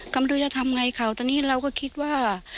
คำดูจจะทำให้เขาตอนนี้เราก็คิดว่า